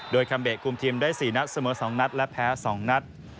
โดยคัมเบจคุมทีมได้๔นัดเสมอ๒นัดและแพ้๒นัด